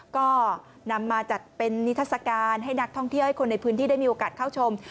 ก็นำมาจัดเป็นนิทัศกาลให้นักท่องเที่ยวให้คนในพื้นที่ได้มีโอกาสเข้าชม